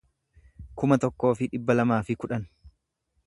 kuma tokkoo fi dhibba lamaa fi kudhan